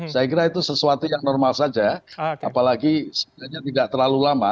saya kira itu sesuatu yang normal saja apalagi sebenarnya tidak terlalu lama